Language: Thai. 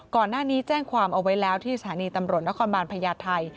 ก่อนหน้านี้แจ้งความเอาไว้แล้วที่สถานีตำรวจนครบาลพญาไทย